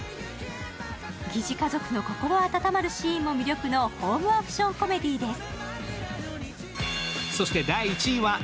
疑似家族の心温まるシーンも魅力のホームアクションコメディーです。